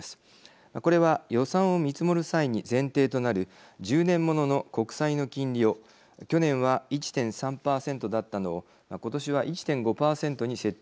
これは予算を見積もる際に前提となる１０年ものの国債の金利を去年は１．３％だったのを今年は１．５％に設定したためです。